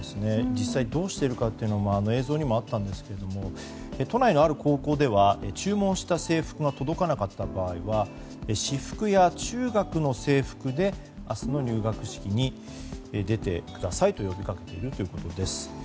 実際どうしているかというのは映像にもあったんですが都内のある高校では注文した制服が届かなかった場合は私服や中学の制服で明日の入学式に出てくださいと呼びかけているということです。